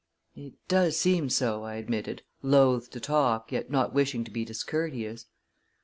"It does seem so," I admitted, loth to talk, yet not wishing to be discourteous.